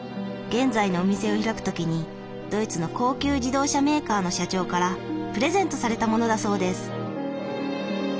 現在のお店を開く時にドイツの高級自動車メーカーの社長からプレゼントされたものだそうです。